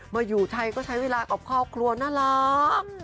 มาอยู่ไทยก็ใช้เวลากับครอบครัวน่ารัก